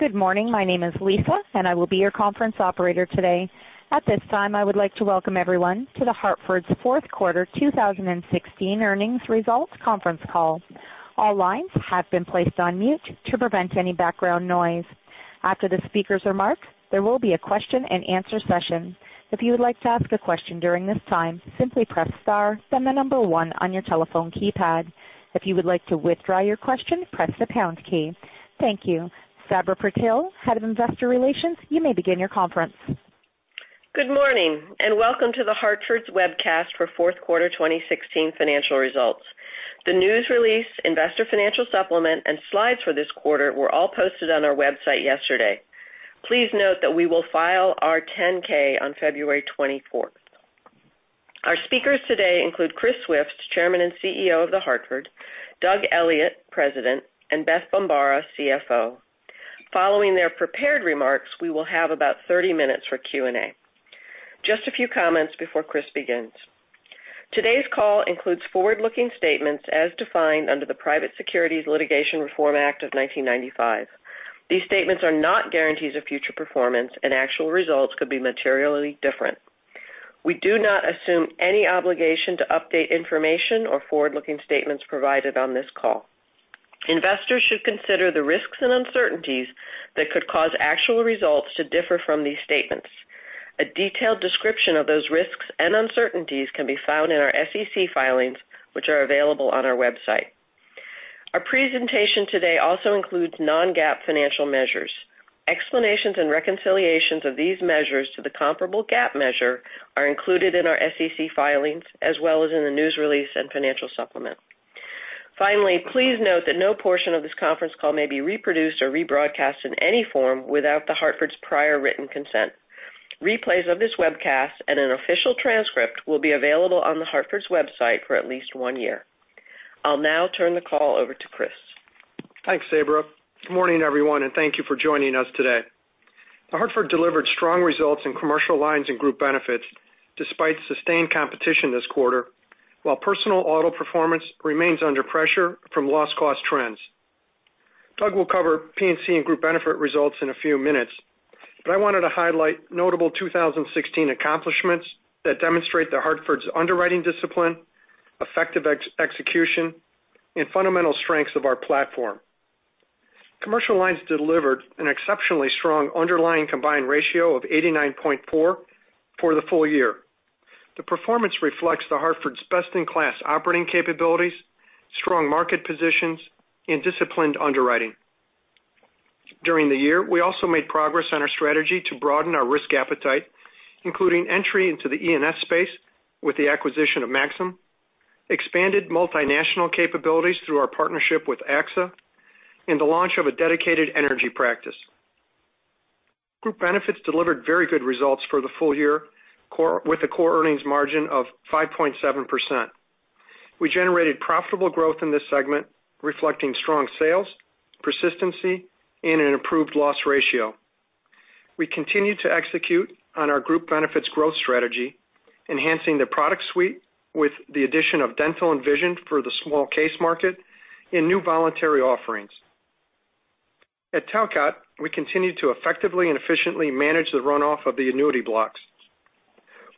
Good morning. My name is Lisa, and I will be your conference operator today. At this time, I would like to welcome everyone to The Hartford's fourth quarter 2016 earnings results conference call. All lines have been placed on mute to prevent any background noise. After the speakers' remarks, there will be a question and answer session. If you would like to ask a question during this time, simply press star, then the number one on your telephone keypad. If you would like to withdraw your question, press the pound key. Thank you. Sabra Purtill, Head of Investor Relations, you may begin your conference. Good morning, and welcome to The Hartford's webcast for fourth quarter 2016 financial results. The news release, investor financial supplement, and slides for this quarter were all posted on our website yesterday. Please note that we will file our 10-K on February 24th. Our speakers today include Christopher Swift, Chairman and CEO of The Hartford; Douglas Elliot, President; and Beth Bombara, CFO. Following their prepared remarks, we will have about 30 minutes for Q&A. Just a few comments before Chris begins. Today's call includes forward-looking statements as defined under the Private Securities Litigation Reform Act of 1995. These statements are not guarantees of future performance, and actual results could be materially different. We do not assume any obligation to update information or forward-looking statements provided on this call. Investors should consider the risks and uncertainties that could cause actual results to differ from these statements. A detailed description of those risks and uncertainties can be found in our SEC filings, which are available on our website. Our presentation today also includes non-GAAP financial measures. Explanations and reconciliations of these measures to the comparable GAAP measure are included in our SEC filings as well as in the news release and financial supplement. Finally, please note that no portion of this conference call may be reproduced or rebroadcast in any form without The Hartford's prior written consent. Replays of this webcast and an official transcript will be available on The Hartford's website for at least one year. I'll now turn the call over to Chris. Thanks, Sabra. Good morning, everyone, and thank you for joining us today. The Hartford delivered strong results in Commercial Lines and Group Benefits despite sustained competition this quarter, while Personal Auto performance remains under pressure from loss cost trends. Doug will cover P&C and Group Benefits results in a few minutes, but I wanted to highlight notable 2016 accomplishments that demonstrate The Hartford's underwriting discipline, effective execution, and fundamental strengths of our platform. Commercial Lines delivered an exceptionally strong underlying combined ratio of 89.4 for the full year. The performance reflects The Hartford's best-in-class operating capabilities, strong market positions, and disciplined underwriting. During the year, we also made progress on our strategy to broaden our risk appetite, including entry into the E&S space with the acquisition of Maxum, expanded multinational capabilities through our partnership with AXA, and the launch of a dedicated energy practice. Group Benefits delivered very good results for the full year with a core earnings margin of 5.7%. We generated profitable growth in this segment reflecting strong sales, persistency, and an improved loss ratio. We continue to execute on our Group Benefits growth strategy, enhancing the product suite with the addition of dental and vision for the small case market and new voluntary offerings. At Talcott, we continue to effectively and efficiently manage the runoff of the annuity blocks.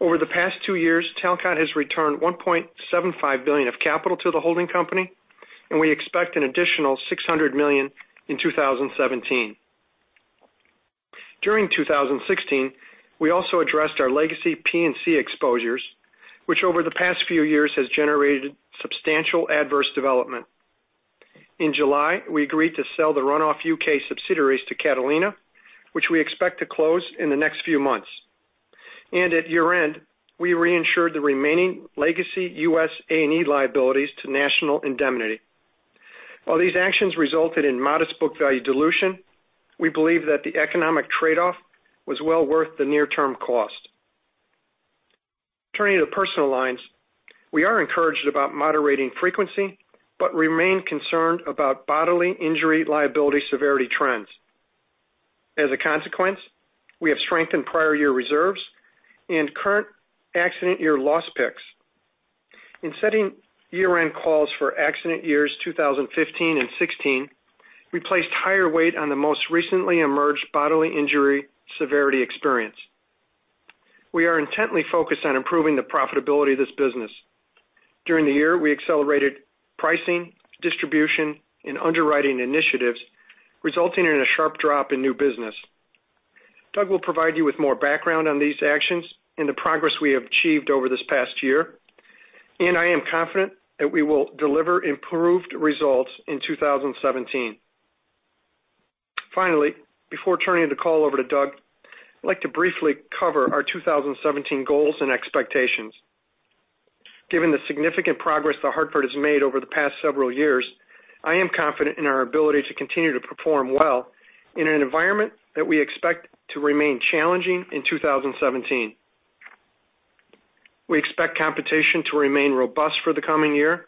Over the past two years, Talcott has returned $1.75 billion of capital to the holding company, and we expect an additional $600 million in 2017. During 2016, we also addressed our legacy P&C exposures, which over the past few years has generated substantial adverse development. In July, we agreed to sell the runoff U.K. subsidiaries to Catalina, which we expect to close in the next few months. At year-end, we reinsured the remaining legacy U.S. A&E liabilities to National Indemnity. While these actions resulted in modest book value dilution, we believe that the economic trade-off was well worth the near-term cost. Turning to Personal Lines, we are encouraged about moderating frequency but remain concerned about bodily injury liability severity trends. As a consequence, we have strengthened prior year reserves and current accident year loss picks. In setting year-end calls for accident years 2015 and 2016, we placed higher weight on the most recently emerged bodily injury severity experience. We are intently focused on improving the profitability of this business. During the year, we accelerated pricing, distribution, and underwriting initiatives, resulting in a sharp drop in new business. Doug will provide you with more background on these actions and the progress we have achieved over this past year. I am confident that we will deliver improved results in 2017. Finally, before turning the call over to Doug, I'd like to briefly cover our 2017 goals and expectations. Given the significant progress The Hartford has made over the past several years, I am confident in our ability to continue to perform well in an environment that we expect to remain challenging in 2017. We expect competition to remain robust for the coming year,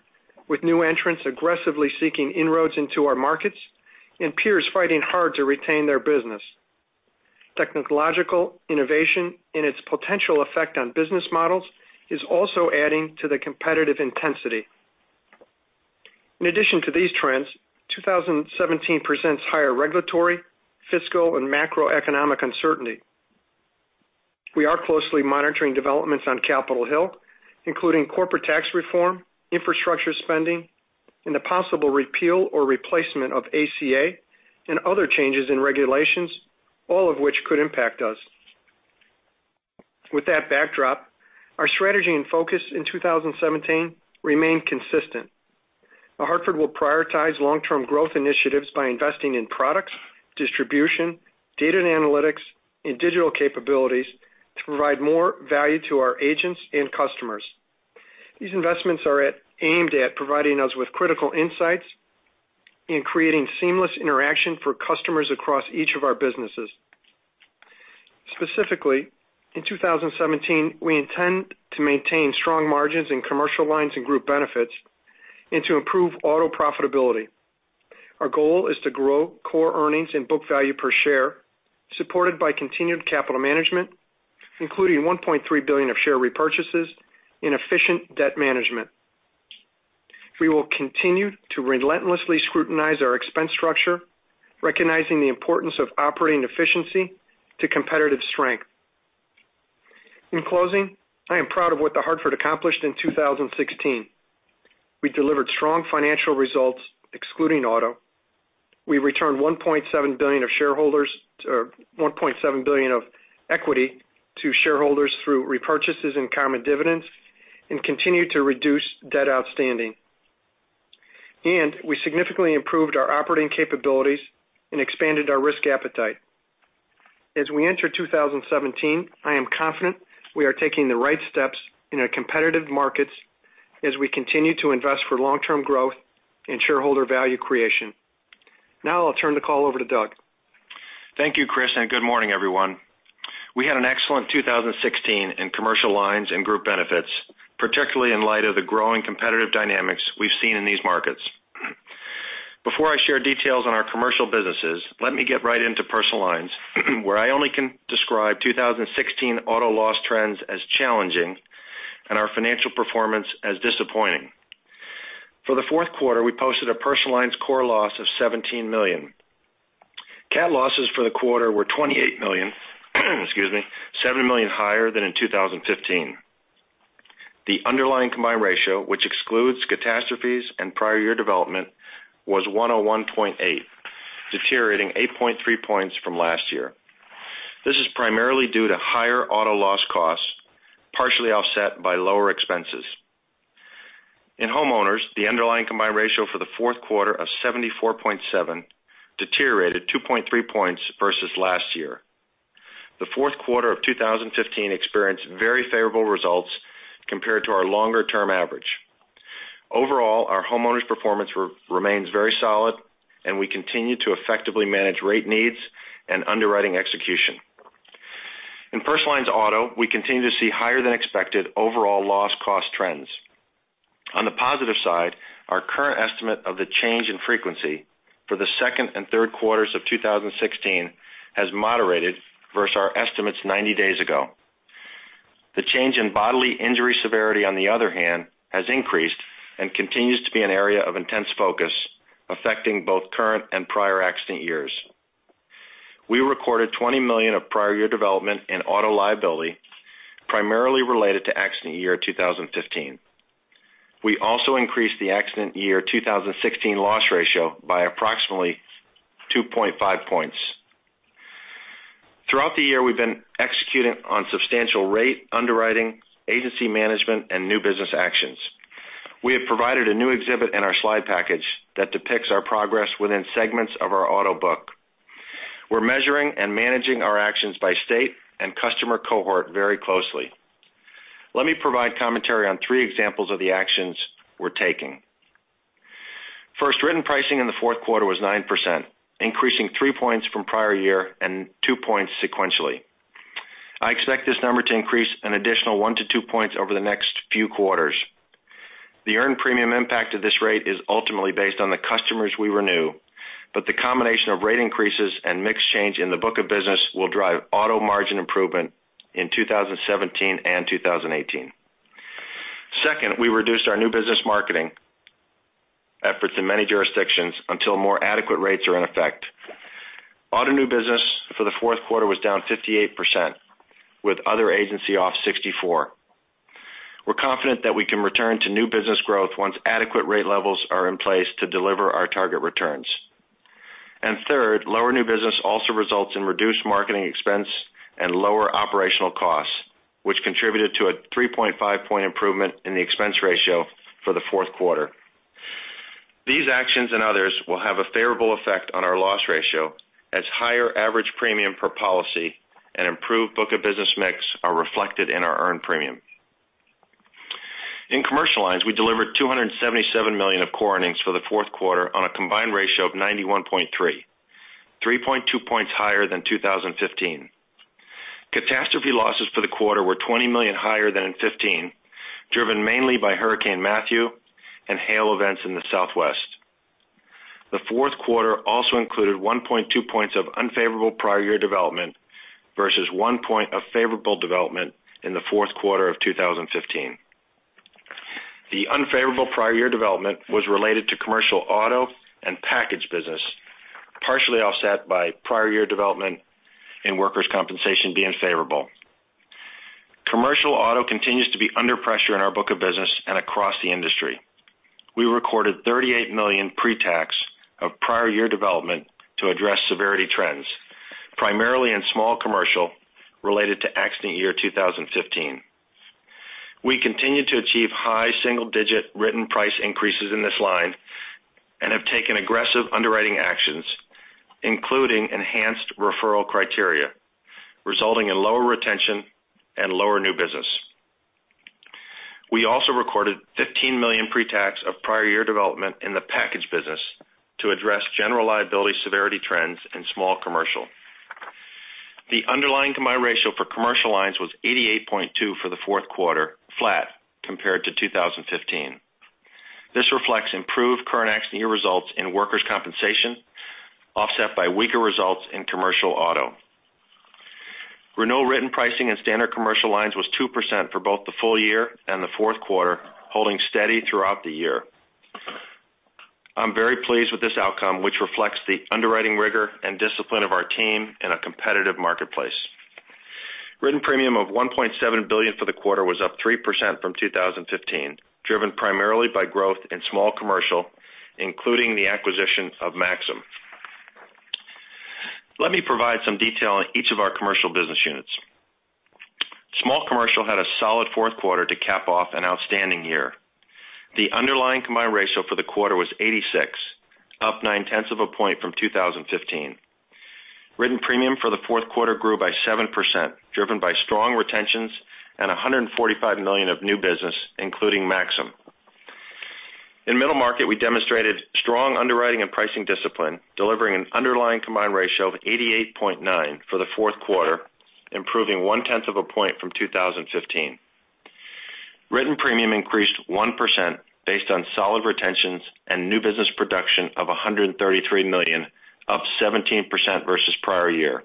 with new entrants aggressively seeking inroads into our markets and peers fighting hard to retain their business. Technological innovation and its potential effect on business models is also adding to the competitive intensity. In addition to these trends, 2017 presents higher regulatory, fiscal, and macroeconomic uncertainty. We are closely monitoring developments on Capitol Hill, including corporate tax reform, infrastructure spending, and the possible repeal or replacement of ACA, and other changes in regulations, all of which could impact us. With that backdrop, our strategy and focus in 2017 remain consistent. The Hartford will prioritize long-term growth initiatives by investing in products, distribution, data and analytics, and digital capabilities to provide more value to our agents and customers. These investments are aimed at providing us with critical insights in creating seamless interaction for customers across each of our businesses. Specifically, in 2017, we intend to maintain strong margins in Commercial Lines and Group Benefits and to improve auto profitability. Our goal is to grow core earnings and book value per share, supported by continued capital management, including $1.3 billion of share repurchases and efficient debt management. We will continue to relentlessly scrutinize our expense structure, recognizing the importance of operating efficiency to competitive strength. In closing, I am proud of what The Hartford accomplished in 2016. We delivered strong financial results, excluding auto. We returned $1.7 billion of equity to shareholders through repurchases and common dividends and continued to reduce debt outstanding. We significantly improved our operating capabilities and expanded our risk appetite. As we enter 2017, I am confident we are taking the right steps in our competitive markets as we continue to invest for long-term growth and shareholder value creation. Now I'll turn the call over to Doug. Thank you, Chris, and good morning, everyone. We had an excellent 2016 in Commercial Lines and Group Benefits, particularly in light of the growing competitive dynamics we've seen in these markets. Before I share details on our commercial businesses, let me get right into Personal Lines, where I only can describe 2016 auto loss trends as challenging and our financial performance as disappointing. For the fourth quarter, we posted a Personal Lines core loss of $17 million. Cat losses for the quarter were $28 million, seven million higher than in 2015. The underlying combined ratio, which excludes catastrophes and prior year development, was 101.8, deteriorating 8.3 points from last year. This is primarily due to higher auto loss costs, partially offset by lower expenses. In homeowners, the underlying combined ratio for the fourth quarter of 74.7 deteriorated 2.3 points versus last year. The fourth quarter of 2015 experienced very favorable results compared to our longer-term average. Overall, our homeowners' performance remains very solid, and we continue to effectively manage rate needs and underwriting execution. In Personal Lines auto, we continue to see higher than expected overall loss cost trends. On the positive side, our current estimate of the change in frequency for the second and third quarters of 2016 has moderated versus our estimates 90 days ago. The change in bodily injury severity, on the other hand, has increased and continues to be an area of intense focus, affecting both current and prior accident years. We recorded $20 million of prior year development and auto liability, primarily related to accident year 2015. We also increased the accident year 2016 loss ratio by approximately 2.5 points. Throughout the year, we've been executing on substantial rate underwriting, agency management, and new business actions. We have provided a new exhibit in our slide package that depicts our progress within segments of our auto book. We're measuring and managing our actions by state and customer cohort very closely. Let me provide commentary on three examples of the actions we're taking. First, written pricing in the fourth quarter was 9%, increasing three points from prior year and two points sequentially. I expect this number to increase an additional one to two points over the next few quarters. The earned premium impact of this rate is ultimately based on the customers we renew, but the combination of rate increases and mix change in the book of business will drive auto margin improvement in 2017 and 2018. Second, we reduced our new business marketing efforts in many jurisdictions until more adequate rates are in effect. Auto new business for the fourth quarter was down 58%, with other agency off 64%. We're confident that we can return to new business growth once adequate rate levels are in place to deliver our target returns. Third, lower new business also results in reduced marketing expense and lower operational costs, which contributed to a 3.5 point improvement in the expense ratio for the fourth quarter. These actions and others will have a favorable effect on our loss ratio as higher average premium per policy and improved book of business mix are reflected in our earned premium. In Commercial Lines, we delivered $277 million of core earnings for the fourth quarter on a combined ratio of 91.3.2 points higher than 2015. Catastrophe losses for the quarter were $20 million higher than in 2015, driven mainly by Hurricane Matthew and hail events in the Southwest. The fourth quarter also included 1.2 points of unfavorable prior year development versus one point of favorable development in the fourth quarter of 2015. The unfavorable prior year development was related to Commercial Auto and package business, partially offset by prior year development in Workers' Compensation being favorable. Commercial Auto continues to be under pressure in our book of business and across the industry. We recorded $38 million pre-tax of prior year development to address severity trends, primarily in Small Commercial related to accident year 2015. We continue to achieve high single-digit written price increases in this line and have taken aggressive underwriting actions, including enhanced referral criteria, resulting in lower retention and lower new business. We also recorded $15 million pre-tax of prior year development in the package business to address General Liability severity trends in Small Commercial. The underlying combined ratio for Commercial Lines was 88.2 for the fourth quarter, flat compared to 2015. This reflects improved current accident year results in Workers' Compensation, offset by weaker results in Commercial Auto. Renewal written pricing in standard Commercial Lines was 2% for both the full year and the fourth quarter, holding steady throughout the year. I'm very pleased with this outcome, which reflects the underwriting rigor and discipline of our team in a competitive marketplace. Written premium of $1.7 billion for the quarter was up 3% from 2015, driven primarily by growth in Small Commercial, including the acquisition of Maxum. Let me provide some detail on each of our Commercial business units. Small Commercial had a solid fourth quarter to cap off an outstanding year. The underlying combined ratio for the quarter was 86, up nine tenths of a point from 2015. Written premium for the fourth quarter grew by 7%, driven by strong retentions and $145 million of new business, including Maxum. In Middle Market, we demonstrated strong underwriting and pricing discipline, delivering an underlying combined ratio of 88.9 for the fourth quarter, improving one tenth of a point from 2015. Written premium increased 1% based on solid retentions and new business production of $133 million, up 17% versus prior year.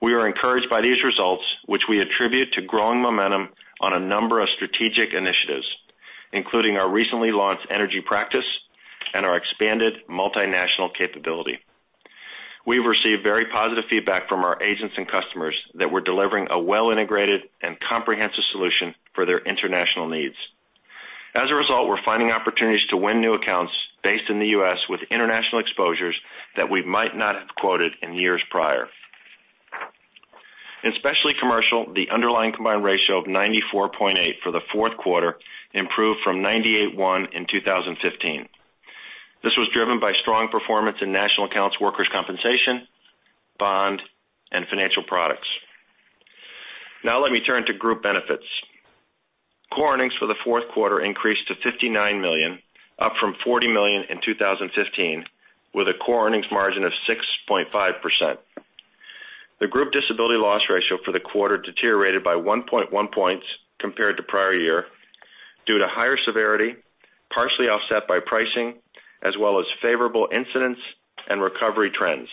We are encouraged by these results, which we attribute to growing momentum on a number of strategic initiatives, including our recently launched energy practice and our expanded multinational capability. We've received very positive feedback from our agents and customers that we're delivering a well-integrated and comprehensive solution for their international needs. As a result, we're finding opportunities to win new accounts based in the U.S. with international exposures that we might not have quoted in years prior. In Specialty Commercial, the underlying combined ratio of 94.8 for the fourth quarter improved from 98.1 in 2015. This was driven by strong performance in national accounts Workers' Compensation, bond, and financial products. Let me turn to Group Benefits. Core earnings for the fourth quarter increased to $59 million, up from $40 million in 2015, with a core earnings margin of 6.5%. The group disability loss ratio for the quarter deteriorated by 1.1 points compared to prior year due to higher severity, partially offset by pricing, as well as favorable incidents and recovery trends.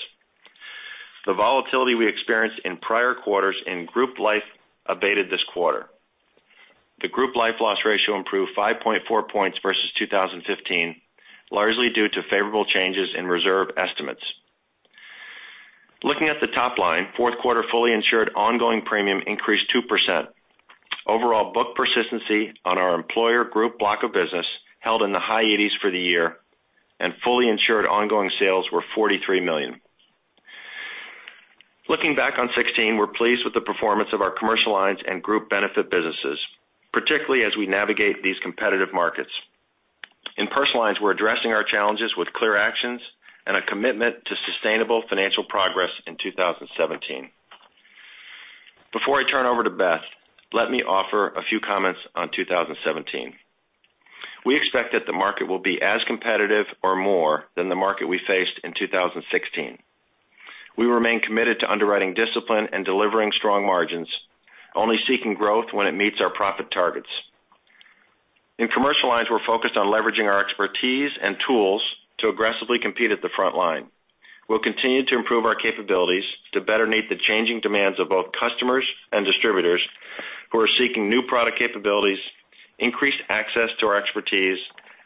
The volatility we experienced in prior quarters in group life abated this quarter. The group life loss ratio improved 5.4 points versus 2015, largely due to favorable changes in reserve estimates. Looking at the top line, fourth quarter fully insured ongoing premium increased 2%. Overall book persistency on our employer group block of business held in the high 80s for the year. Fully insured ongoing sales were $43 million. Looking back on 2016, we're pleased with the performance of our Commercial Lines and Group Benefits businesses, particularly as we navigate these competitive markets. In Personal Lines, we're addressing our challenges with clear actions and a commitment to sustainable financial progress in 2017. Before I turn over to Beth, let me offer a few comments on 2017. We expect that the market will be as competitive or more than the market we faced in 2016. We remain committed to underwriting discipline and delivering strong margins, only seeking growth when it meets our profit targets. In Commercial Lines, we're focused on leveraging our expertise and tools to aggressively compete at the front line. We'll continue to improve our capabilities to better meet the changing demands of both customers and distributors who are seeking new product capabilities, increased access to our expertise,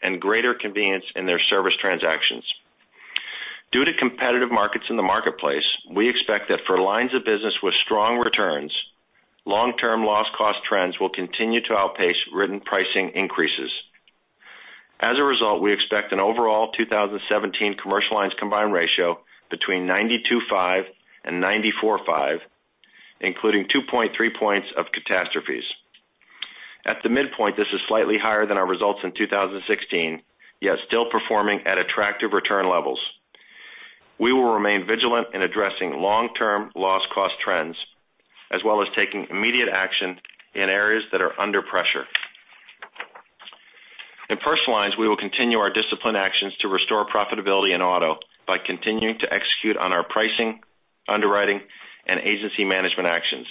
and greater convenience in their service transactions. Due to competitive markets in the marketplace, we expect that for lines of business with strong returns, long-term loss cost trends will continue to outpace written pricing increases. We expect an overall 2017 Commercial Lines combined ratio between 92.5 and 94.5, including 2.3 points of catastrophes. At the midpoint, this is slightly higher than our results in 2016, yet still performing at attractive return levels. We will remain vigilant in addressing long-term loss cost trends, as well as taking immediate action in areas that are under pressure. In Personal Lines, we will continue our discipline actions to restore profitability in auto by continuing to execute on our pricing, underwriting, and agency management actions.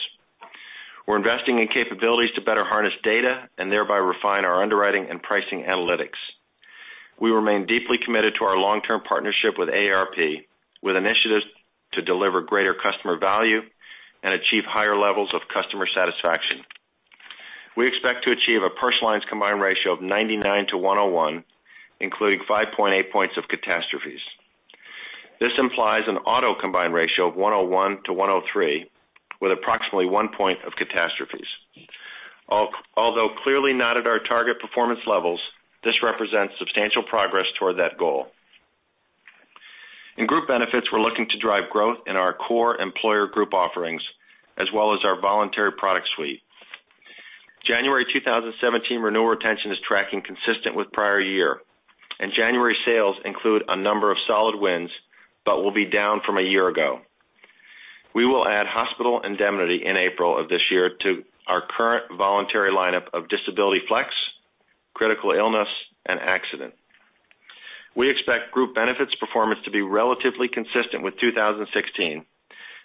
We're investing in capabilities to better harness data and thereby refine our underwriting and pricing analytics. We remain deeply committed to our long-term partnership with AARP, with initiatives to deliver greater customer value and achieve higher levels of customer satisfaction. We expect to achieve a Personal Lines combined ratio of 99 to 101, including 5.8 points of catastrophes. This implies an auto combined ratio of 101 to 103, with approximately one point of catastrophes. Although clearly not at our target performance levels, this represents substantial progress toward that goal. In Group Benefits, we're looking to drive growth in our core employer group offerings, as well as our voluntary product suite. January 2017 renewal retention is tracking consistent with prior year. January sales include a number of solid wins but will be down from a year ago. We will add hospital indemnity in April of this year to our current voluntary lineup of disability flex, critical illness, and accident. We expect Group Benefits performance to be relatively consistent with 2016,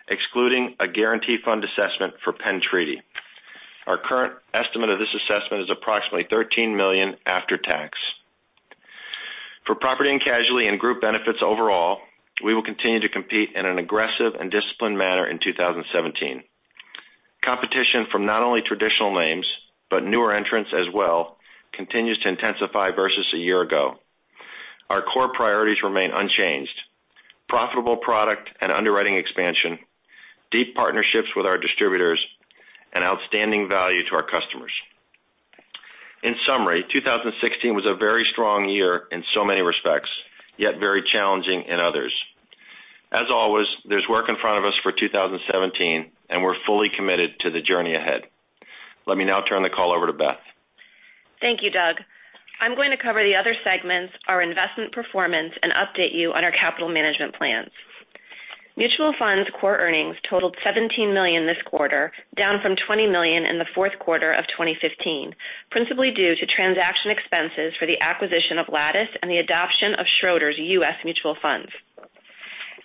excluding a guarantee fund assessment for Penn Treaty. Our current estimate of this assessment is approximately $13 million after tax. For Property and Casualty and Group Benefits overall, we will continue to compete in an aggressive and disciplined manner in 2017. Competition from not only traditional names, but newer entrants as well, continues to intensify versus a year ago. Our core priorities remain unchanged: profitable product and underwriting expansion, deep partnerships with our distributors, and outstanding value to our customers. In summary, 2016 was a very strong year in so many respects, yet very challenging in others. As always, there's work in front of us for 2017. We're fully committed to the journey ahead. Let me now turn the call over to Beth. Thank you, Doug. I'm going to cover the other segments, our investment performance, and update you on our capital management plans. Mutual Funds core earnings totaled $17 million this quarter, down from $20 million in the fourth quarter of 2015, principally due to transaction expenses for the acquisition of Lattice and the adoption of Schroders U.S. Mutual Funds.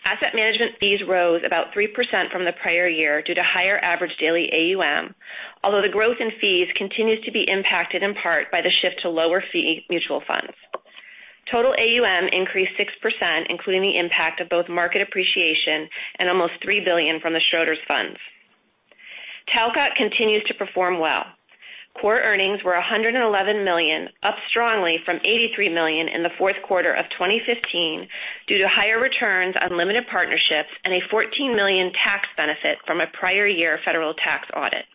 Asset management fees rose about 3% from the prior year due to higher average daily AUM, although the growth in fees continues to be impacted in part by the shift to lower-fee mutual funds. Total AUM increased 6%, including the impact of both market appreciation and almost $3 billion from the Schroders funds. Talcott continues to perform well. Core earnings were $111 million, up strongly from $83 million in the fourth quarter of 2015 due to higher returns on limited partnerships and a $14 million tax benefit from a prior-year federal tax audit.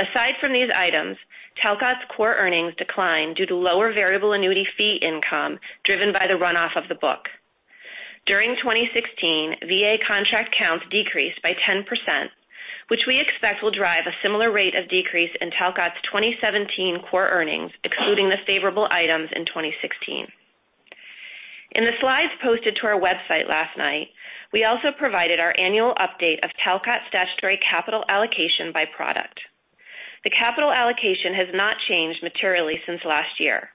Aside from these items, Talcott's core earnings declined due to lower VA fee income, driven by the runoff of the book. During 2016, VA contract counts decreased by 10%, which we expect will drive a similar rate of decrease in Talcott's 2017 core earnings, excluding the favorable items in 2016. In the slides posted to our website last night, we also provided our annual update of Talcott's statutory capital allocation by product. The capital allocation has not changed materially since last year.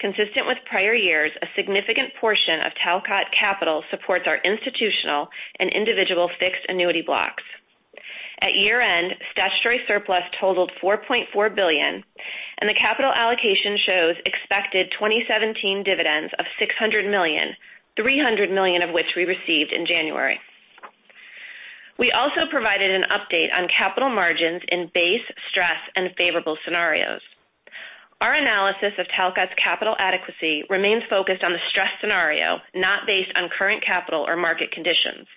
Consistent with prior years, a significant portion of Talcott Capital supports our institutional and individual fixed annuity blocks. At year-end, statutory surplus totaled $4.4 billion, and the capital allocation shows expected 2017 dividends of $600 million, $300 million of which we received in January. We also provided an update on capital margins in base, stress, and favorable scenarios. Our analysis of Talcott's capital adequacy remains focused on the stress scenario, not based on current capital or market conditions.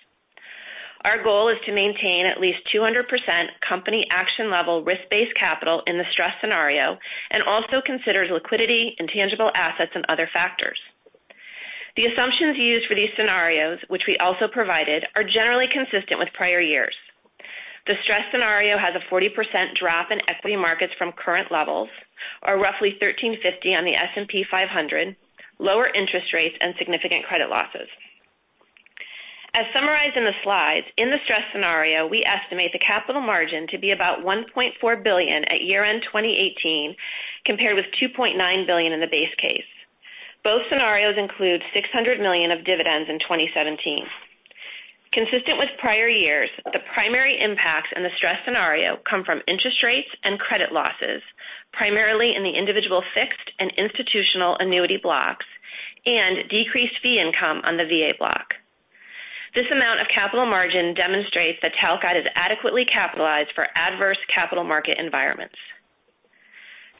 Our goal is to maintain at least 200% company action-level risk-based capital in the stress scenario and also considers liquidity in tangible assets and other factors. The assumptions used for these scenarios, which we also provided, are generally consistent with prior years. The stress scenario has a 40% drop in equity markets from current levels or roughly 1,350 on the S&P 500, lower interest rates, and significant credit losses. As summarized in the slides, in the stress scenario, we estimate the capital margin to be about $1.4 billion at year-end 2018, compared with $2.9 billion in the base case. Both scenarios include $600 million of dividends in 2017. Consistent with prior years, the primary impacts in the stress scenario come from interest rates and credit losses, primarily in the individual fixed and institutional annuity blocks and decreased fee income on the VA block. This amount of capital margin demonstrates that Talcott is adequately capitalized for adverse capital market environments.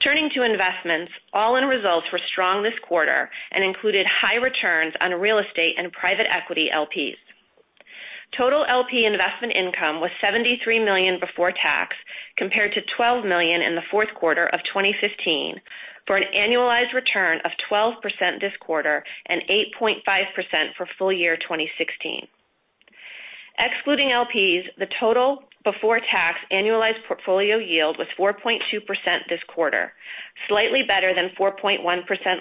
Turning to investments, all-in results were strong this quarter and included high returns on real estate and private equity LPs. Total LP investment income was $73 million before tax, compared to $12 million in the fourth quarter of 2015, for an annualized return of 12% this quarter and 8.5% for full year 2016. Excluding LPs, the total before tax annualized portfolio yield was 4.2% this quarter, slightly better than 4.1%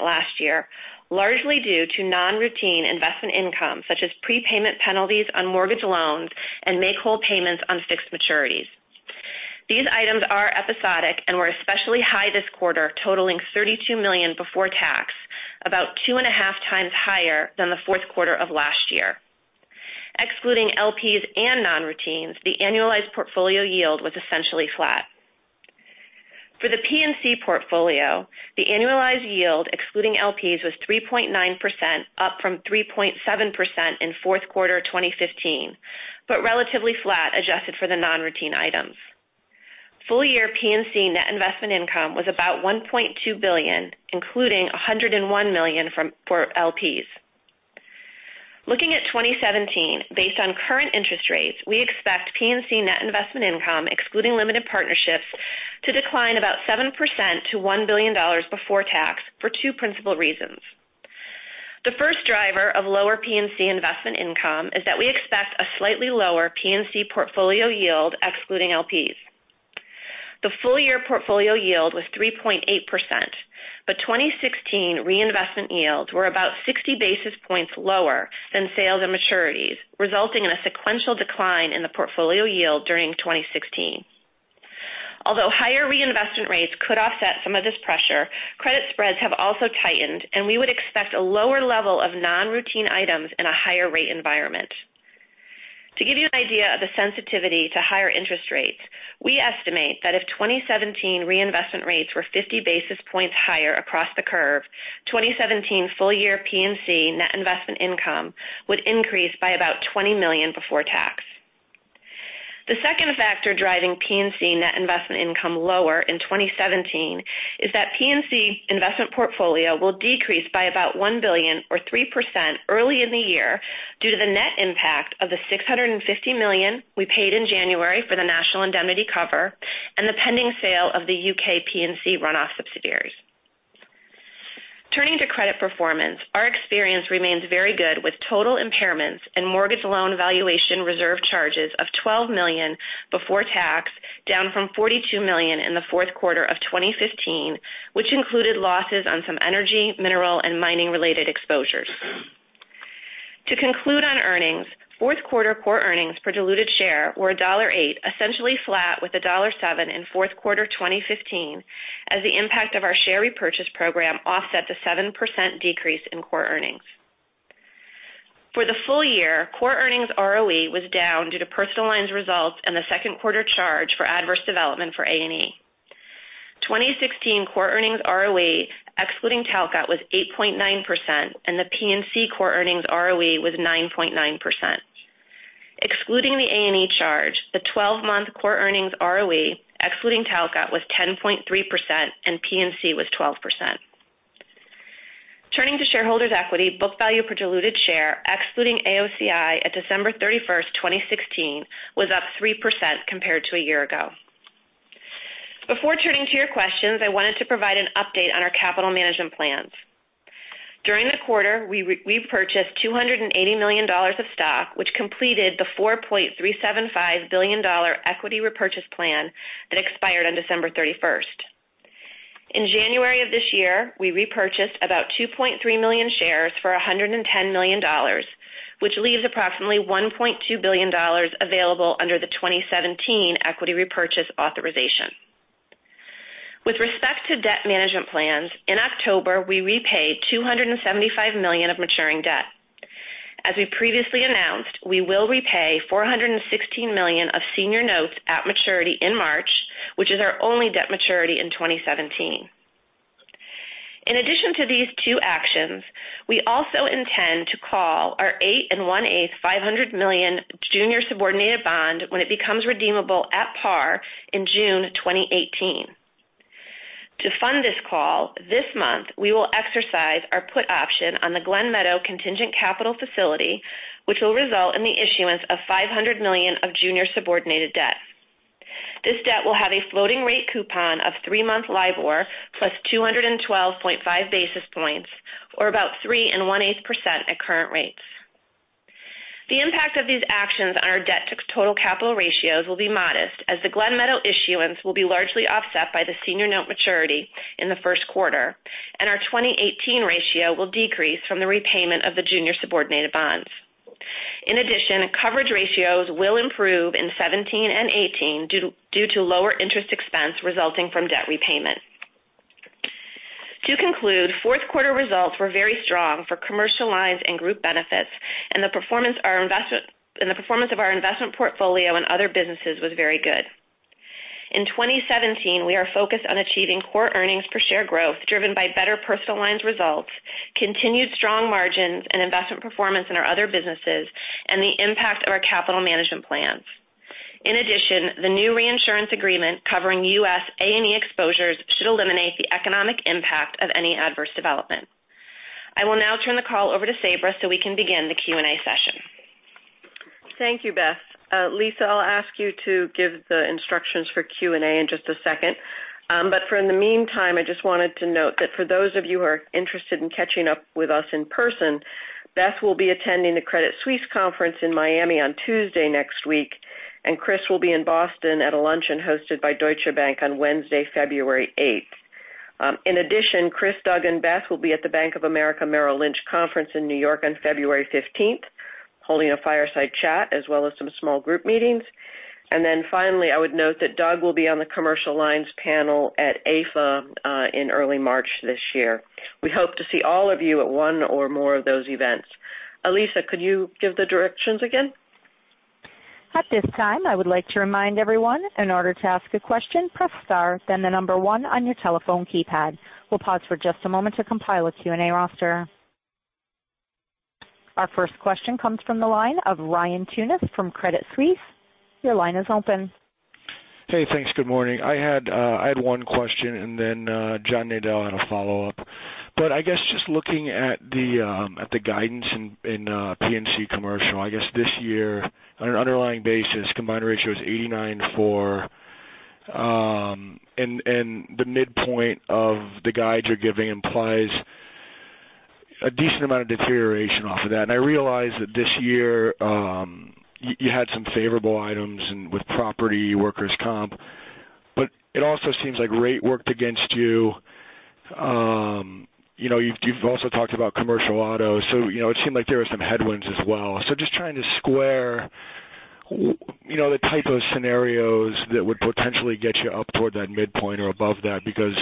last year, largely due to non-routine investment income such as prepayment penalties on mortgage loans and make-whole payments on fixed maturities. These items are episodic and were especially high this quarter, totaling $32 million before tax, about two and a half times higher than the fourth quarter of last year. Excluding LPs and non-routines, the annualized portfolio yield was essentially flat. For the P&C portfolio, the annualized yield excluding LPs was 3.9%, up from 3.7% in fourth quarter 2015, but relatively flat adjusted for the non-routine items. Full year P&C net investment income was about $1.2 billion, including $101 million for LPs. Looking at 2017, based on current interest rates, we expect P&C net investment income, excluding limited partnerships, to decline about 7% to $1 billion before tax for two principal reasons. The first driver of lower P&C investment income is that we expect a slightly lower P&C portfolio yield excluding LPs. The full-year portfolio yield was 3.8%, but 2016 reinvestment yields were about 60 basis points lower than sales and maturities, resulting in a sequential decline in the portfolio yield during 2016. Although higher reinvestment rates could offset some of this pressure, credit spreads have also tightened, and we would expect a lower level of non-routine items in a higher rate environment. To give you an idea of the sensitivity to higher interest rates, we estimate that if 2017 reinvestment rates were 50 basis points higher across the curve, 2017 full year P&C net investment income would increase by about $20 million before tax. The second factor driving P&C net investment income lower in 2017 is that P&C investment portfolio will decrease by about $1 billion or 3% early in the year due to the net impact of the $650 million we paid in January for the National Indemnity cover and the pending sale of the U.K. P&C runoff subsidiaries. Turning to credit performance, our experience remains very good with total impairments and mortgage loan valuation reserve charges of $12 million before tax, down from $42 million in the fourth quarter of 2015, which included losses on some energy, mineral, and mining-related exposures. To conclude on earnings, fourth quarter core earnings per diluted share were $1.08, essentially flat with $1.07 in fourth quarter 2015, as the impact of our share repurchase program offset the 7% decrease in core earnings. For the full year, core earnings ROE was down due to Personal Lines results and the second quarter charge for adverse development for A&E. 2016 core earnings ROE, excluding Talcott, was 8.9%, and the P&C core earnings ROE was 9.9%. Excluding the A&E charge, the 12-month core earnings ROE, excluding Talcott, was 10.3%, and P&C was 12%. Turning to shareholders' equity, book value per diluted share, excluding AOCI at December 31st, 2016, was up 3% compared to a year ago. Before turning to your questions, I wanted to provide an update on our capital management plans. During the quarter, we repurchased $280 million of stock, which completed the $4.375 billion equity repurchase plan that expired on December 31st. In January of this year, we repurchased about 2.3 million shares for $110 million, which leaves approximately $1.2 billion available under the 2017 equity repurchase authorization. With respect to debt management plans, in October, we repaid $275 million of maturing debt. As we previously announced, we will repay $416 million of senior notes at maturity in March, which is our only debt maturity in 2017. In addition to these two actions, we also intend to call our 8-1/8% $500 million junior subordinated bond when it becomes redeemable at par in June 2018. To fund this call, this month, we will exercise our put option on the Glen Meadow contingent capital facility, which will result in the issuance of $500 million of junior subordinated debt. This debt will have a floating rate coupon of three-month LIBOR plus 212.5 basis points or about 3-1/8% at current rates. The impact of these actions on our debt to total capital ratios will be modest as the Glen Meadow issuance will be largely offset by the senior note maturity in the first quarter, and our 2018 ratio will decrease from the repayment of the junior subordinated bonds. In addition, coverage ratios will improve in 2017 and 2018 due to lower interest expense resulting from debt repayment. To conclude, fourth quarter results were very strong for Commercial Lines and Group Benefits, and the performance of our investment portfolio and other businesses was very good. In 2017, we are focused on achieving core earnings per share growth driven by better Personal Lines results, continued strong margins and investment performance in our other businesses, and the impact of our capital management plans. In addition, the new reinsurance agreement covering U.S. A&E exposures should eliminate the economic impact of any adverse development. I will now turn the call over to Sabra so we can begin the Q&A session. Thank you, Beth. Lisa, I'll ask you to give the instructions for Q&A in just a second. For in the meantime, I just wanted to note that for those of you who are interested in catching up with us in person, Beth will be attending the Credit Suisse conference in Miami on Tuesday next week, and Chris will be in Boston at a luncheon hosted by Deutsche Bank on Wednesday, February 8th. In addition, Chris, Doug, and Beth will be at the Bank of America Merrill Lynch conference in New York on February 15th, holding a fireside chat as well as some small group meetings. Finally, I would note that Doug will be on the Commercial Lines panel at AFA in early March this year. We hope to see all of you at one or more of those events. Lisa, could you give the directions again? At this time, I would like to remind everyone, in order to ask a question, press star, then the number 1 on your telephone keypad. We'll pause for just a moment to compile a Q&A roster. Our first question comes from the line of Ryan Tunis from Credit Suisse. Your line is open. Hey, thanks. Good morning. I had one question and then John Nadel had a follow-up. I guess just looking at the guidance in P&C Commercial, I guess this year on an underlying basis, combined ratio is 894. The midpoint of the guide you're giving implies a decent amount of deterioration off of that. I realize that this year, you had some favorable items with property, workers' comp, but it also seems like rate worked against you. You've also talked about commercial auto. It seemed like there were some headwinds as well. Just trying to square the type of scenarios that would potentially get you up toward that midpoint or above that, because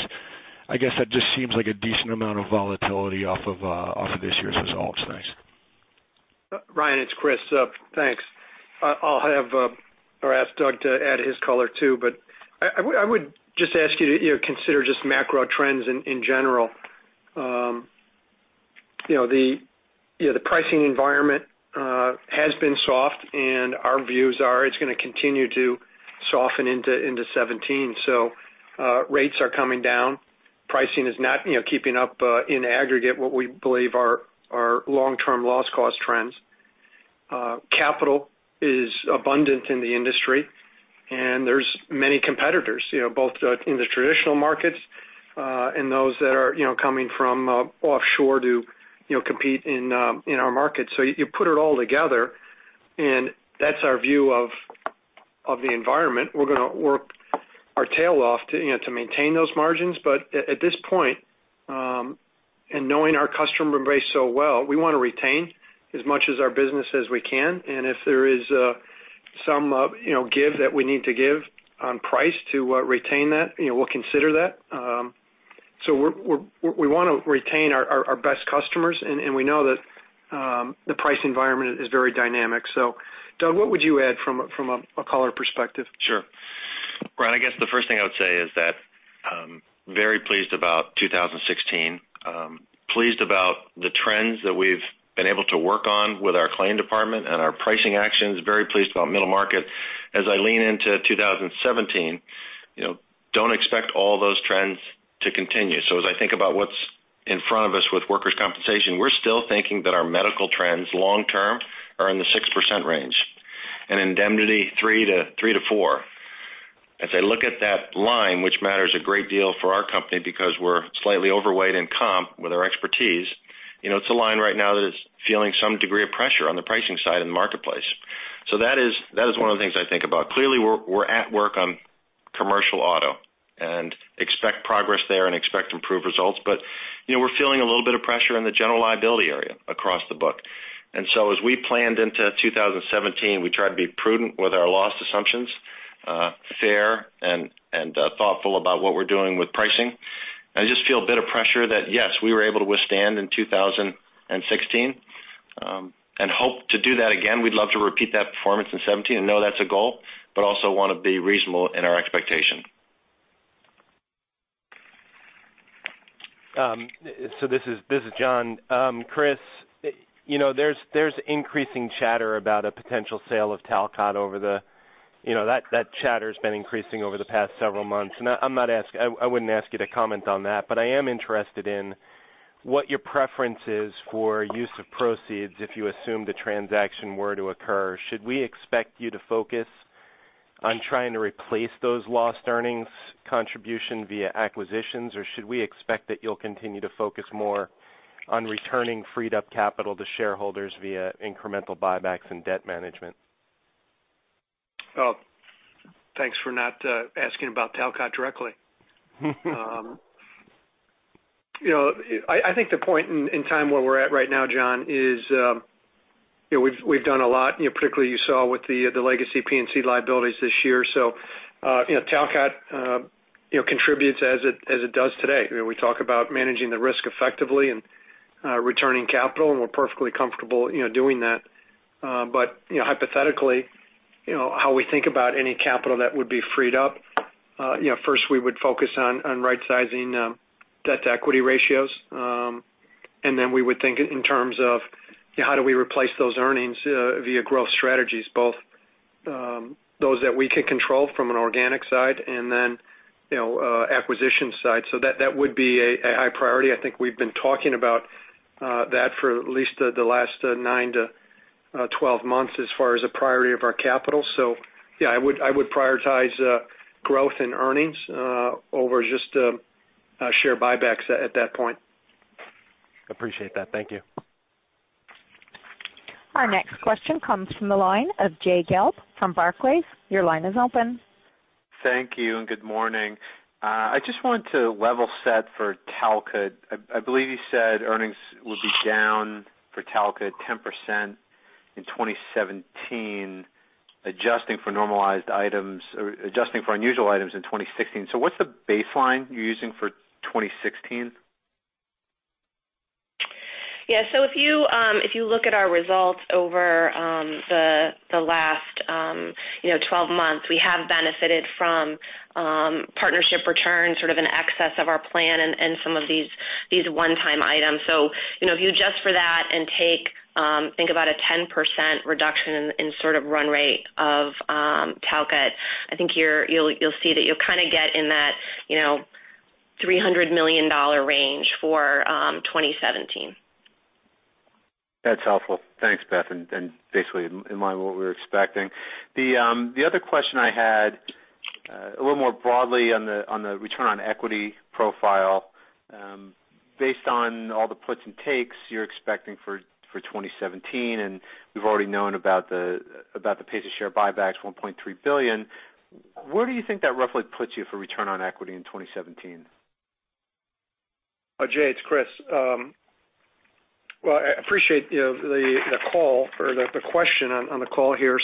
I guess that just seems like a decent amount of volatility off of this year's results. Thanks. Ryan, it's Chris. Thanks. I'll have or ask Doug to add his color, too, but I would just ask you to consider just macro trends in general. The pricing environment has been soft, and our views are it's going to continue to soften into 2017. Rates are coming down. Pricing is not keeping up in aggregate what we believe are our long-term loss cost trends. Capital is abundant in the industry, and there's many competitors, both in the traditional markets, and those that are coming from offshore to compete in our market. You put it all together, and that's our view of the environment. We're going to work our tail off to maintain those margins. At this point, and knowing our customer base so well, we want to retain as much as our business as we can, and if there is some give that we need to give on price to retain that, we'll consider that. We want to retain our best customers, and we know that the price environment is very dynamic. Doug, what would you add from a color perspective? Sure. Ryan, I guess the first thing I would say is that I'm very pleased about 2016. Pleased about the trends that we've been able to work on with our claim department and our pricing actions. Very pleased about Middle Market. As I lean into 2017, don't expect all those trends to continue. As I think about what's in front of us with Workers' Compensation, we're still thinking that our medical trends long-term are in the 6% range, and indemnity three to four. As I look at that line, which matters a great deal for our company because we're slightly overweight in comp with our expertise, it's a line right now that is feeling some degree of pressure on the pricing side in the marketplace. That is one of the things I think about. Clearly, we're at work on commercial auto and expect progress there and expect to improve results. We're feeling a little bit of pressure in the general liability area across the book. As we planned into 2017, we tried to be prudent with our loss assumptions, fair, and thoughtful about what we're doing with pricing. I just feel a bit of pressure that yes, we were able to withstand in 2016, and hope to do that again. We'd love to repeat that performance in 2017 and know that's a goal, but also want to be reasonable in our expectation. This is John. Chris, there's increasing chatter about a potential sale of Talcott. That chatter's been increasing over the past several months, and I wouldn't ask you to comment on that, but I am interested in what your preference is for use of proceeds if you assume the transaction were to occur. Should we expect you to focus on trying to replace those lost earnings contribution via acquisitions, or should we expect that you'll continue to focus more on returning freed up capital to shareholders via incremental buybacks and debt management? Thanks for not asking about Talcott directly. I think the point in time where we're at right now, John, is we've done a lot, particularly you saw with the legacy P&C liabilities this year. Talcott contributes as it does today. We talk about managing the risk effectively and returning capital, and we're perfectly comfortable doing that. Hypothetically, how we think about any capital that would be freed up, first we would focus on right-sizing debt-to-equity ratios. Then we would think in terms of how do we replace those earnings via growth strategies, both those that we can control from an organic side and then acquisition side. That would be a high priority. I think we've been talking about that for at least the last 9 to 12 months as far as the priority of our capital. Yeah, I would prioritize growth in earnings over just share buybacks at that point. Appreciate that. Thank you. Our next question comes from the line of Jay Gelb from Barclays. Your line is open. Thank you, and good morning. I just wanted to level set for Talcott. I believe you said earnings would be down for Talcott 10% in 2017, adjusting for unusual items in 2016. What's the baseline you're using for 2016? Yeah. If you look at our results over the last 12 months, we have benefited from partnership returns sort of in excess of our plan and some of these one-time items. If you adjust for that and think about a 10% reduction in sort of run rate of Talcott, I think you'll see that you'll kind of get in that $300 million range for 2017. That's helpful. Thanks, Beth Bombara. Basically in line with what we were expecting. The other question I had, a little more broadly on the return on equity profile. Based on all the puts and takes you're expecting for 2017, we've already known about the pay to share buybacks, $1.3 billion. Where do you think that roughly puts you for return on equity in 2017? Jay, it's Chris Swift. Well, I appreciate the call or the question on the call here.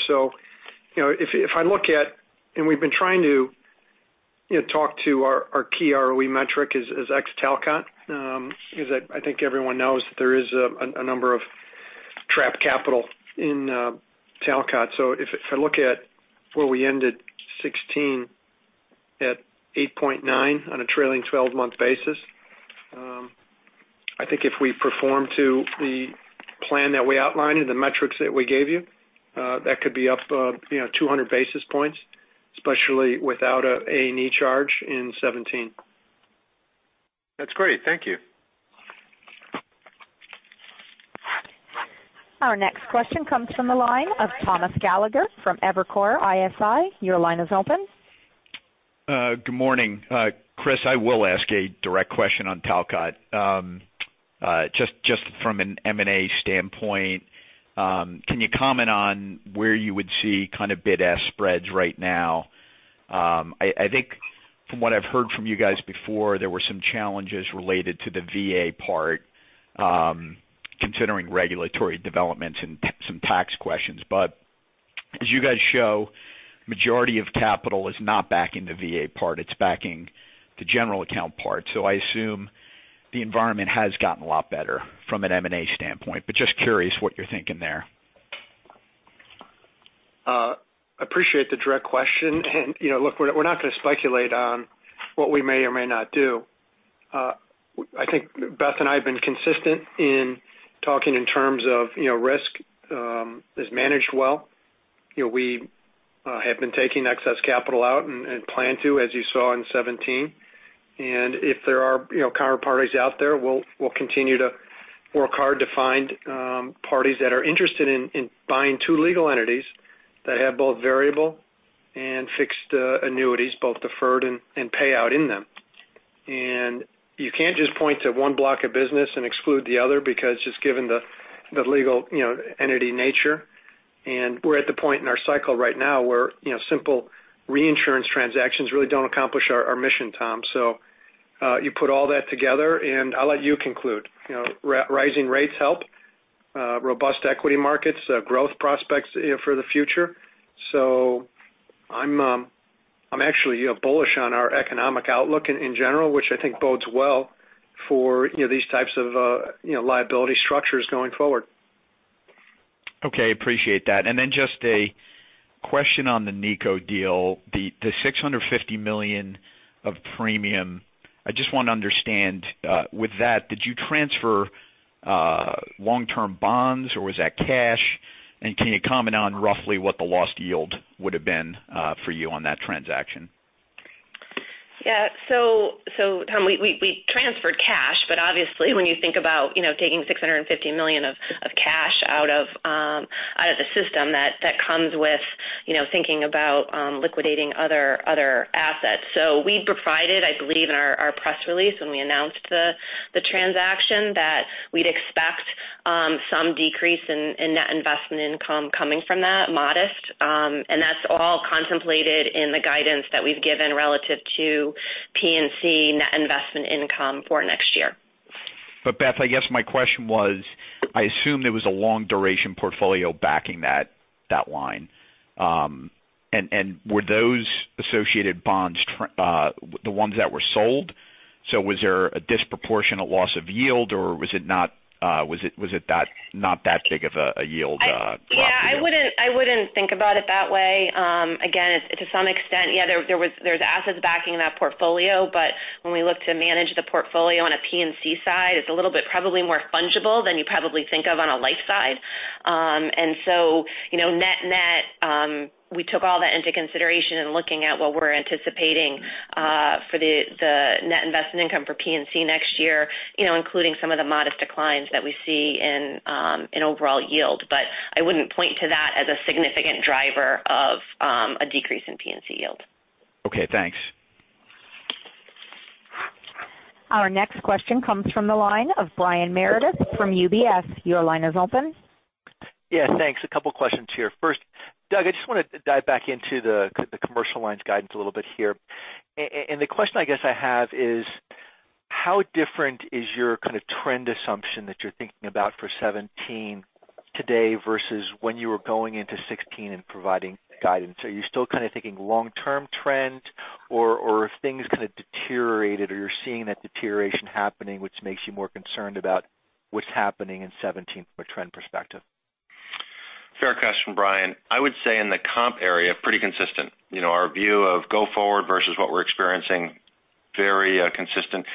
If I look at, we've been trying to talk to our key ROE metric is ex Talcott. I think everyone knows that there is a number of trapped capital in Talcott. If I look at where we ended 2016, at 8.9 on a trailing 12-month basis. I think if we perform to the plan that we outlined and the metrics that we gave you, that could be up 200 basis points, especially without an A&E charge in 2017. That's great. Thank you. Our next question comes from the line of Thomas Gallagher from Evercore ISI. Your line is open. Good morning. Chris, I will ask a direct question on Talcott. Just from an M&A standpoint, can you comment on where you would see kind of bid ask spreads right now? I think from what I've heard from you guys before, there were some challenges related to the VA part, considering regulatory developments and some tax questions. As you guys show, majority of capital is not backing the VA part, it's backing the general account part. I assume the environment has gotten a lot better from an M&A standpoint, but just curious what you're thinking there. Appreciate the direct question. Look, we're not going to speculate on what we may or may not do. I think Beth and I have been consistent in talking in terms of risk is managed well. We have been taking excess capital out and plan to, as you saw in 2017. If there are counterparties out there, we'll continue to work hard to find parties that are interested in buying two legal entities that have both variable and fixed annuities, both deferred and payout in them. You can't just point to one block of business and exclude the other because just given the legal entity nature. We're at the point in our cycle right now where simple reinsurance transactions really don't accomplish our mission, Tom. You put all that together and I'll let you conclude. Rising rates help, robust equity markets, growth prospects for the future. I'm actually bullish on our economic outlook in general, which I think bodes well for these types of liability structures going forward. Okay. Appreciate that. Just a question on the NICO deal, the $650 million of premium. I just want to understand, with that, did you transfer long-term bonds or was that cash? Can you comment on roughly what the lost yield would have been for you on that transaction? Tom, we transferred cash, but obviously, when you think about taking $650 million of cash out of the system that comes with thinking about liquidating other assets. We provided, I believe, in our press release when we announced the transaction, that we'd expect some decrease in net investment income coming from that, modest. That's all contemplated in the guidance that we've given relative to P&C net investment income for next year. Beth, I guess my question was, I assume there was a long-duration portfolio backing that line. Were those associated bonds the ones that were sold? Was there a disproportionate loss of yield, or was it not that big of a yield loss? I wouldn't think about it that way. Again, to some extent, yeah, there was assets backing that portfolio. When we look to manage the portfolio on a P&C side, it's a little bit probably more fungible than you probably think of on a life side. Net-net, we took all that into consideration in looking at what we're anticipating for the net investment income for P&C next year, including some of the modest declines that we see in overall yield. I wouldn't point to that as a significant driver of a decrease in P&C yield. Okay, thanks. Our next question comes from the line of Brian Meredith from UBS. Your line is open. Yes, thanks. A couple questions here. First, Doug, I just want to dive back into the Commercial Lines guidance a little bit here. The question I guess I have is how different is your trend assumption that you're thinking about for 2017 today versus when you were going into 2016 and providing guidance? Are you still thinking long-term trend or have things deteriorated or you're seeing that deterioration happening, which makes you more concerned about what's happening in 2017 from a trend perspective? Fair question, Brian. I would say in the comp area, pretty consistent. Our view of go forward versus what we're experiencing, very consistent.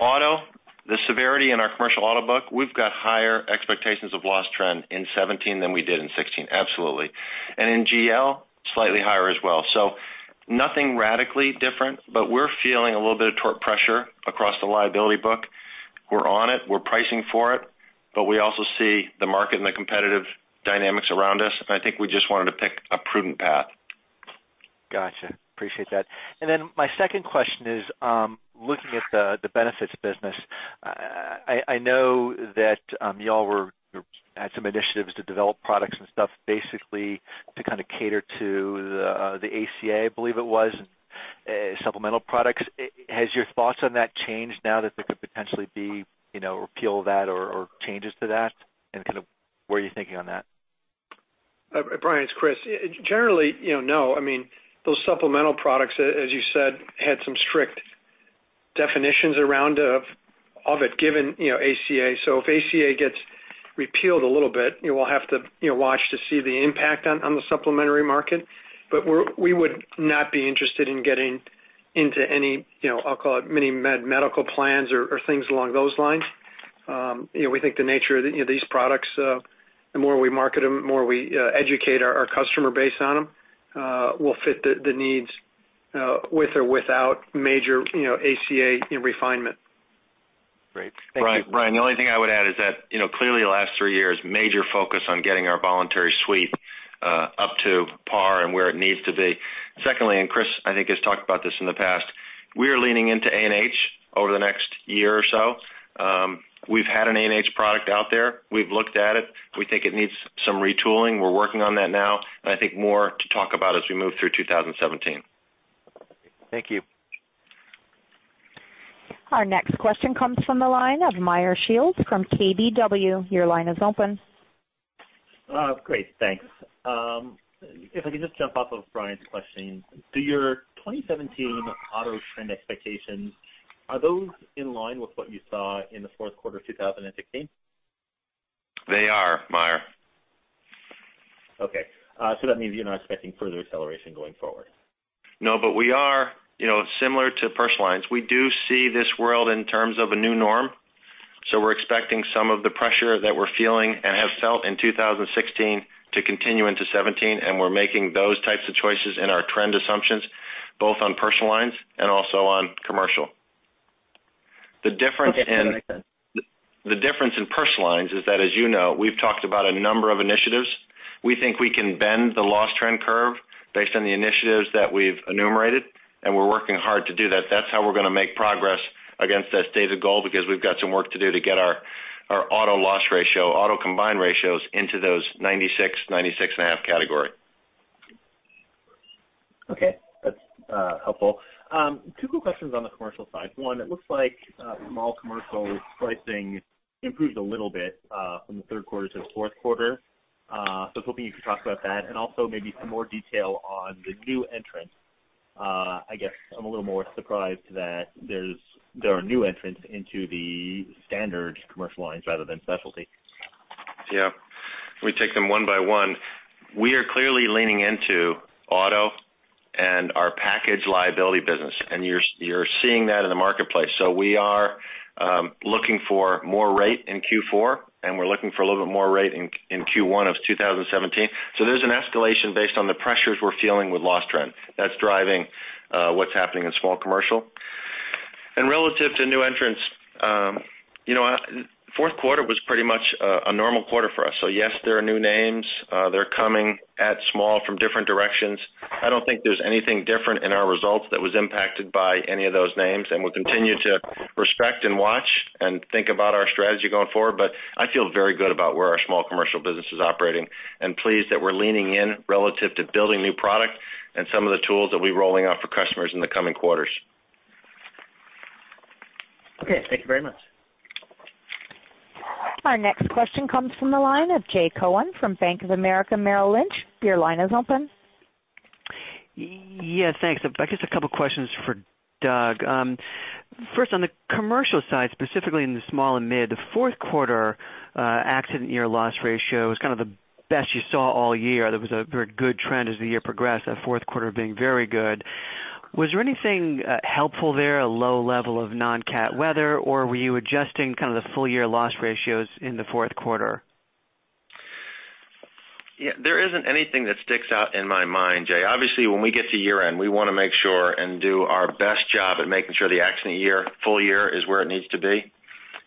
Auto, the severity in our commercial auto book, we've got higher expectations of loss trend in 2017 than we did in 2016. Absolutely. In GL, slightly higher as well. Nothing radically different, but we're feeling a little bit of tort pressure across the liability book. We're on it, we're pricing for it, but we also see the market and the competitive dynamics around us, and I think we just wanted to pick a prudent path. Got you. Appreciate that. Then my second question is, looking at the benefits business, I know that y'all had some initiatives to develop products and stuff, basically to cater to the ACA, I believe it was, supplemental products. Has your thoughts on that changed now that there could potentially be repeal of that or changes to that? What are you thinking on that? Brian, it's Chris. Generally, no. Those supplemental products, as you said, had some strict definitions around of it, given ACA. If ACA gets repealed a little bit, we'll have to watch to see the impact on the supplementary market. We would not be interested in getting into any, I'll call it mini medical plans or things along those lines. We think the nature of these products, the more we market them, the more we educate our customer base on them, will fit the needs, with or without major ACA refinement. Great. Thank you. Brian, the only thing I would add is that clearly the last three years, major focus on getting our voluntary suite up to par and where it needs to be. Secondly, and Chris, I think, has talked about this in the past, we are leaning into A&H over the next year or so. We've had an A&H product out there. We've looked at it. We think it needs some retooling. We're working on that now, and I think more to talk about as we move through 2017. Thank you. Our next question comes from the line of Meyer Shields from KBW. Your line is open. Great, thanks. If I can just jump off of Brian's question. Do your 2017 auto trend expectations, are those in line with what you saw in the fourth quarter 2016? They are, Meyer. Okay. That means you're not expecting further acceleration going forward. No, but we are similar to Personal Lines. We do see this world in terms of a new norm. We're expecting some of the pressure that we're feeling and have felt in 2016 to continue into 2017, and we're making those types of choices in our trend assumptions, both on Personal Lines and also on Commercial Lines. The difference in- Okay. That makes sense. The difference in Personal Lines is that, as you know, we've talked about a number of initiatives. We think we can bend the loss trend curve based on the initiatives that we've enumerated, and we're working hard to do that. That's how we're going to make progress against that stated goal because we've got some work to do to get our auto loss ratio, auto combined ratios into those 96 and a half category. Okay. That's helpful. Two quick questions on the Commercial Lines side. One, it looks like Small Commercial pricing improved a little bit from the third quarter to the fourth quarter. I was hoping you could talk about that, and also maybe some more detail on the new entrants. I guess I'm a little more surprised that there are new entrants into the standard Commercial Lines rather than Specialty Commercial. Yeah. Let me take them one by one. We are clearly leaning into auto and our package liability business, and you're seeing that in the marketplace. We are looking for more rate in Q4, and we're looking for a little bit more rate in Q1 of 2017. There's an escalation based on the pressures we're feeling with loss trend. That's driving what's happening in Small Commercial. Relative to new entrants, fourth quarter was pretty much a normal quarter for us. Yes, there are new names. They're coming at small from different directions. I don't think there's anything different in our results that was impacted by any of those names, and we'll continue to respect and watch and think about our strategy going forward. I feel very good about where our Small Commercial business is operating and pleased that we're leaning in relative to building new product and some of the tools that we'll be rolling out for customers in the coming quarters. Okay. Thank you very much. Our next question comes from the line of Jay Cohen from Bank of America Merrill Lynch. Your line is open. Yes, thanks. I guess a couple questions for Douglas Elliot. First, on the commercial side, specifically in the small and mid, the fourth quarter accident year loss ratio was kind of the best you saw all year. There was a very good trend as the year progressed, that fourth quarter being very good. Was there anything helpful there, a low level of non-cat weather, or were you adjusting the full-year loss ratios in the fourth quarter? There isn't anything that sticks out in my mind, Jay. Obviously, when we get to year-end, we want to make sure and do our best job at making sure the accident year full year is where it needs to be.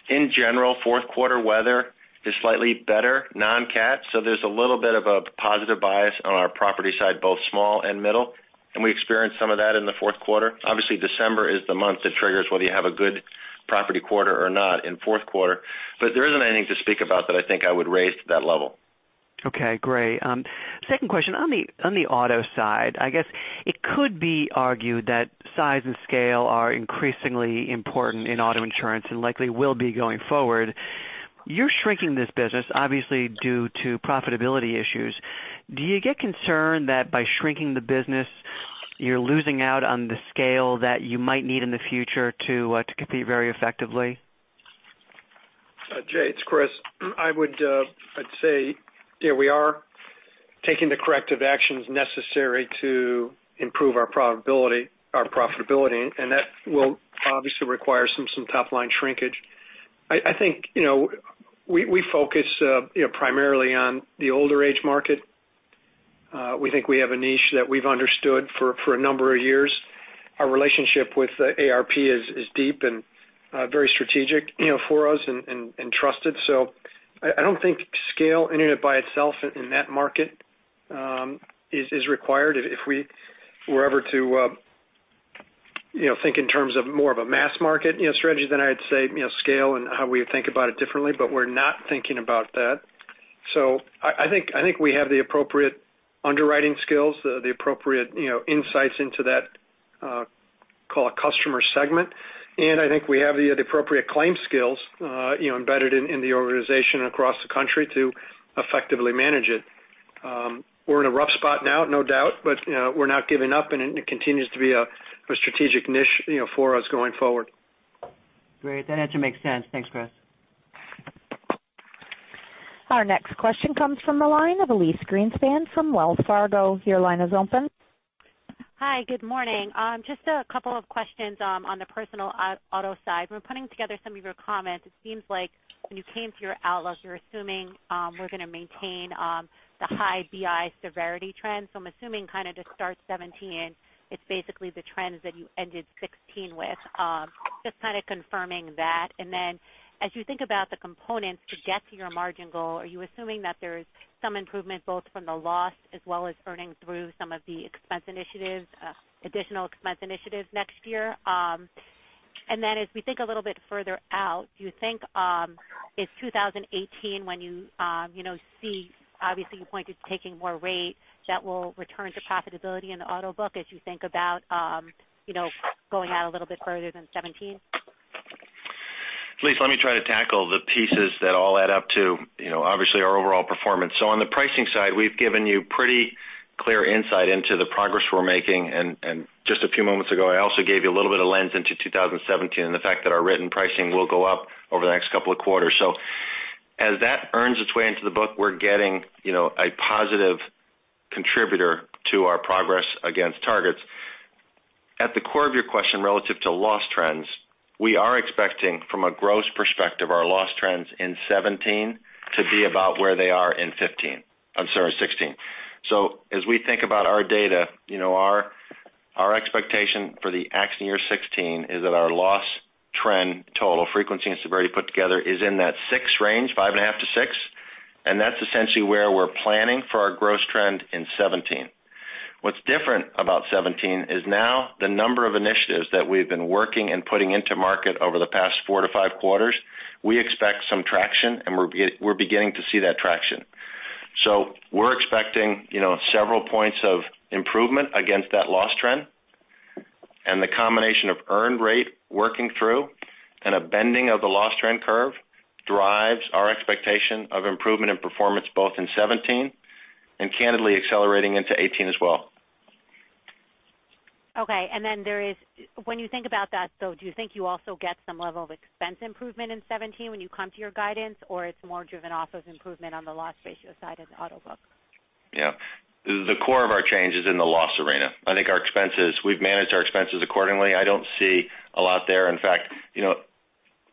In general, fourth quarter weather is slightly better non-cat, so there's a little bit of a positive bias on our property side, both small and middle, and we experienced some of that in the fourth quarter. Obviously, December is the month that triggers whether you have a good property quarter or not in fourth quarter. There isn't anything to speak about that I think I would raise to that level. Okay, great. Second question, on the auto side, I guess it could be argued that size and scale are increasingly important in auto insurance and likely will be going forward. You're shrinking this business, obviously, due to profitability issues. Do you get concerned that by shrinking the business, you're losing out on the scale that you might need in the future to compete very effectively? Jay, it's Chris. I'd say, we are taking the corrective actions necessary to improve our profitability, and that will obviously require some top-line shrinkage. I think we focus primarily on the older age market. We think we have a niche that we've understood for a number of years. Our relationship with AARP is deep and very strategic for us and trusted. I don't think scale in and of by itself in that market is required. If we were ever to think in terms of more of a mass market strategy, I'd say scale and how we think about it differently. We're not thinking about that. I think we have the appropriate underwriting skills, the appropriate insights into that, call it customer segment, and I think we have the appropriate claim skills embedded in the organization across the country to effectively manage it. We're in a rough spot now, no doubt, but we're not giving up, and it continues to be a strategic niche for us going forward. Great. That answer makes sense. Thanks, Chris. Our next question comes from the line of Elyse Greenspan from Wells Fargo. Your line is open. Hi. Good morning. Just a couple of questions on the Personal Auto side. When putting together some of your comments, it seems like when you came to your outlook, you're assuming we're going to maintain the high BI severity trend. I'm assuming kind of to start 2017, it's basically the trends that you ended 2016 with. Just kind of confirming that. As you think about the components to get to your margin goal, are you assuming that there's some improvement both from the loss as well as earnings through some of the additional expense initiatives next year? As we think a little bit further out, do you think it's 2018 when you see, obviously, you pointed to taking more rate that will return to profitability in the auto book as you think about going out a little bit further than 2017? Elyse, let me try to tackle the pieces that all add up to obviously our overall performance. On the pricing side, we've given you pretty clear insight into the progress we're making, and just a few moments ago, I also gave you a little bit of lens into 2017 and the fact that our written pricing will go up over the next couple of quarters. As that earns its way into the book, we're getting a positive contributor to our progress against targets. At the core of your question, relative to loss trends, we are expecting, from a gross perspective, our loss trends in 2017 to be about where they are in 2015. I'm sorry, 2016. As we think about our data, our expectation for the accident year 2016 is that our loss trend total frequency and severity put together is in that six range, five and a half to six, and that's essentially where we're planning for our gross trend in 2017. What's different about 2017 is now the number of initiatives that we've been working and putting into market over the past four to five quarters, we expect some traction, and we're beginning to see that traction. We're expecting several points of improvement against that loss trend. The combination of earned rate working through and a bending of the loss trend curve drives our expectation of improvement in performance both in 2017 and candidly accelerating into 2018 as well. Okay. When you think about that, so do you think you also get some level of expense improvement in 2017 when you come to your guidance, or it's more driven off of improvement on the loss ratio side of the auto book? Yeah. The core of our change is in the loss arena. I think we've managed our expenses accordingly. I don't see a lot there. In fact,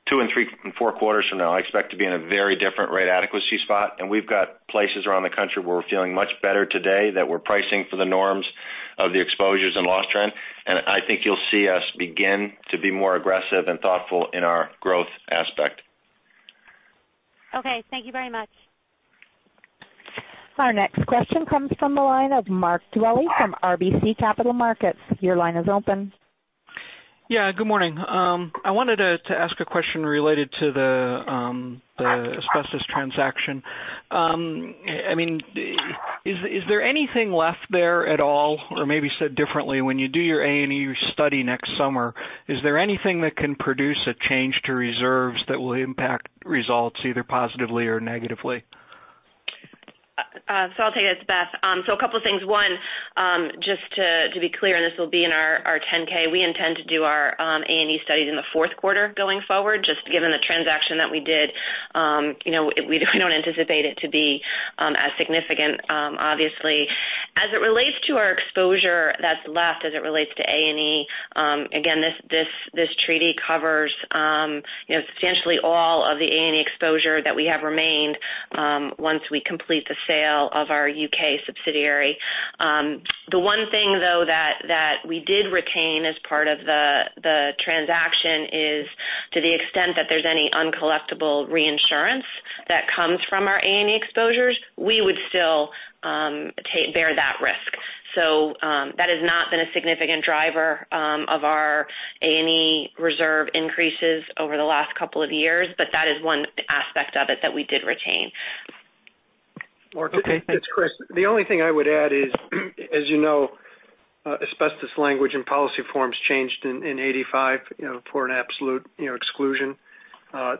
two and three, and four quarters from now, I expect to be in a very different rate adequacy spot. We've got places around the country where we're feeling much better today that we're pricing for the norms of the exposures and loss trend. I think you'll see us begin to be more aggressive and thoughtful in our growth aspect. Okay. Thank you very much. Our next question comes from the line of Mark Dwelle from RBC Capital Markets. Your line is open. Yeah, good morning. I wanted to ask a question related to the asbestos transaction. Is there anything left there at all? Or maybe said differently, when you do your A&E study next summer, is there anything that can produce a change to reserves that will impact results either positively or negatively? I'll tell you this, Beth. A couple things. One, just to be clear, and this will be in our 10-K, we intend to do our A&E studies in the fourth quarter going forward, just given the transaction that we did. We don't anticipate it to be as significant, obviously. As it relates to our exposure that's left as it relates to A&E, again, this treaty covers substantially all of the A&E exposure that we have remained once we complete the sale of our U.K. subsidiary. The one thing, though, that we did retain as part of the Action is to the extent that there's any uncollectible reinsurance that comes from our A&E exposures, we would still bear that risk. That has not been a significant driver of our A&E reserve increases over the last couple of years, but that is one aspect of it that we did retain. Mark, it's Chris. The only thing I would add is, as you know, asbestos language and policy forms changed in 1985 for an absolute exclusion.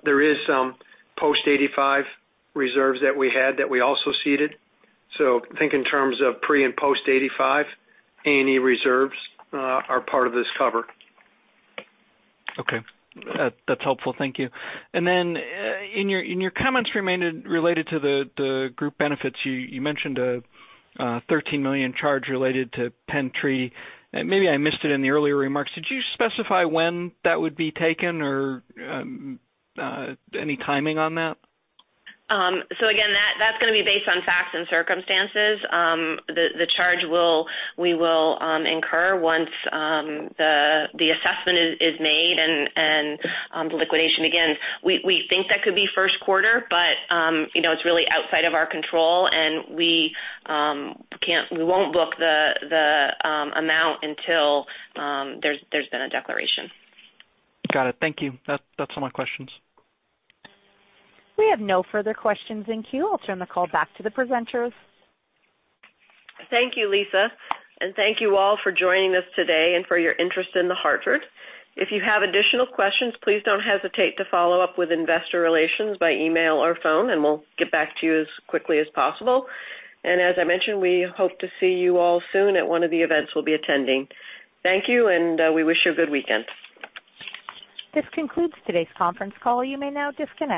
There is some post 1985 reserves that we had that we also ceded. Think in terms of pre and post 1985, A&E reserves are part of this cover. Okay. That's helpful. Thank you. In your comments related to the Group Benefits, you mentioned a $13 million charge related to Penn Treaty. Maybe I missed it in the earlier remarks. Did you specify when that would be taken or any timing on that? Again, that's going to be based on facts and circumstances. The charge we will incur once the assessment is made and the liquidation. Again, we think that could be first quarter, but it's really outside of our control and we won't book the amount until there's been a declaration. Got it. Thank you. That's all my questions. We have no further questions in queue. I'll turn the call back to the presenters. Thank you, Lisa, and thank you all for joining us today and for your interest in The Hartford. If you have additional questions, please don't hesitate to follow up with investor relations by email or phone, and we'll get back to you as quickly as possible. As I mentioned, we hope to see you all soon at one of the events we'll be attending. Thank you, and we wish you a good weekend. This concludes today's conference call. You may now disconnect.